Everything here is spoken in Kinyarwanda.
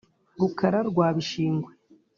Rukara rwa Bishingwe